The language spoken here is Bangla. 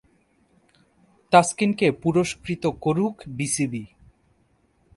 ‘তাসকিনকে পুরস্কৃত করুক বিসিবি’